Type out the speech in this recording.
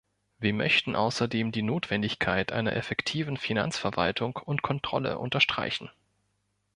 Wir möchten außerdem die Notwendigkeit einer effektiven Finanzverwaltung und Kontrolle unterstreichen.